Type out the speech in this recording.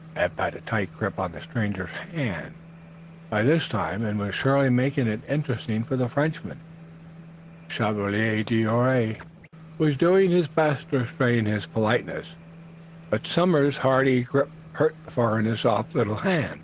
Eph had a tight grip on the stranger's hand, by this time, and was surely making it interesting for the Frenchman. The Chevalier d'Ouray was doing his best to retain his politeness, but Somers's hearty grip hurt the foreigner's soft little hand.